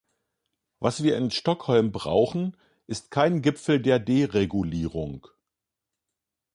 Was wir in Stockholm brauchen, ist kein Gipfel der Deregulierung.